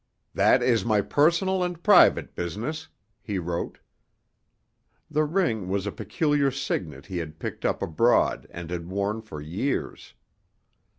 "That is my personal and private business," he wrote. The ring was a peculiar signet he had picked up abroad and had worn for years.